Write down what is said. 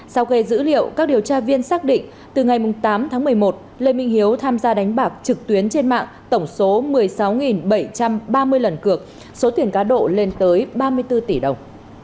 công an xác định từ ngày tám tháng một mươi một lê minh hiếu tham gia đánh bạc trực tuyến trên mạng tổng số một mươi sáu bảy trăm ba mươi lần cược số tiền cá độ lên tới ba mươi bốn tỷ đồng